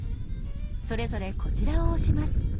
それぞれこちらを押します。